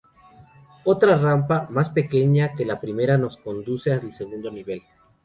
Otra rampa, más pequeña que la primera, nos conduce al segundo nivel.